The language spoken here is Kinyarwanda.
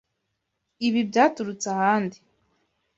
Ibi byaturutse ahandi.